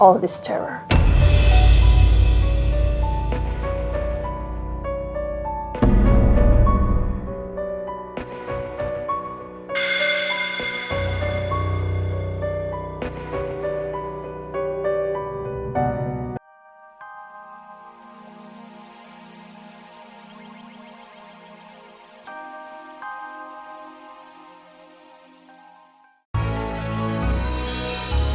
semua teror ini